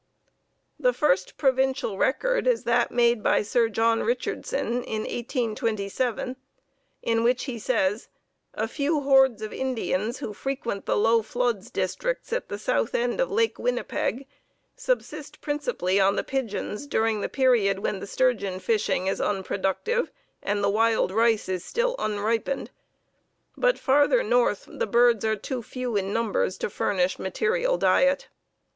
The first provincial record is that made by Sir John Richardson in 1827, in which he says: "A few hordes of Indians who frequent the low floods districts at the south end of Lake Winnipeg subsist principally on the pigeons during the period when the sturgeon fishing is unproductive and the wild rice is still unripened, but farther north the birds are too few in numbers to furnish material diet."